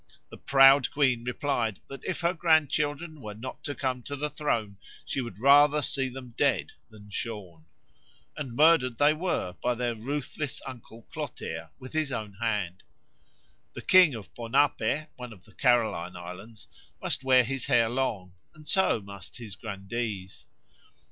The proud queen replied that if her grandchildren were not to come to the throne she would rather see them dead than shorn. And murdered they were by their ruthless uncle Clotaire with his own hand. The king of Ponape, one of the Caroline Islands, must wear his hair long, and so must his grandees.